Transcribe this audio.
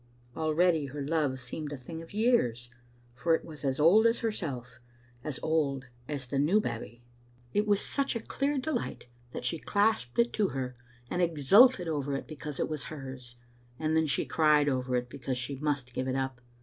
Already her love seemed a thing of years, for it was as old as herself, as old as the new Babbie. It was such a dear delight that Digitized by VjOOQ IC no Vb€ Kittle Aintotet. she clasped it to her, and exulted over it because it was hers, and then she cried over it because she must give it up.